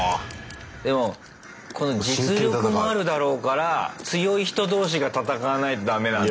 でもこの実力もあるだろうから強い人同士が戦わないと駄目なんだ。